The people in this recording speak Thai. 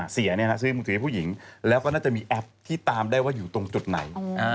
ซื้อมือถือให้ผู้หญิงแล้วก็น่าจะมีแอปที่ตามได้ว่าอยู่ตรงจุดไหน